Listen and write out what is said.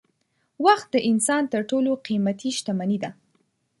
وخت د انسان تر ټولو قېمتي شتمني ده.